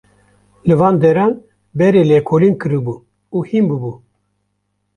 Li van deran berê lêkolîn kiribû û hîn bûbû.